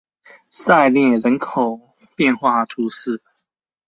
萨莱涅人口变化图示